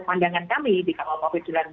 pandangan kami di kawal covid sembilan belas